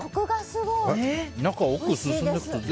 中、奥に進んでいくと。